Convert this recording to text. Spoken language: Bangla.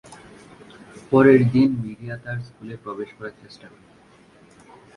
পরের দিন মিডিয়া তার স্কুলে প্রবেশ করার চেষ্টা করে।